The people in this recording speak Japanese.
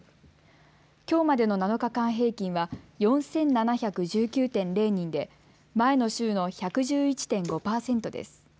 きょうまでの７日間平均は４７１９．０人で前の週の１１１．５％です。